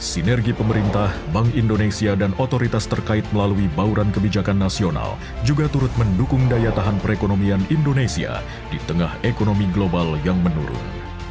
sinergi pemerintah bank indonesia dan otoritas terkait melalui bauran kebijakan nasional juga turut mendukung daya tahan perekonomian indonesia di tengah ekonomi global yang menurun